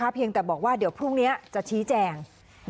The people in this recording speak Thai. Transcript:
เพียงแต่บอกว่าเดี๋ยวพรุ่งนี้จะชี้แจง